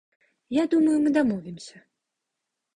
Я думаю, мы дамовімся.